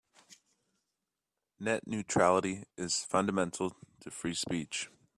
Net neutrality is fundamental to free speech.